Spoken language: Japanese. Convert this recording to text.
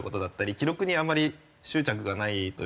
記録にあまり執着がないというか。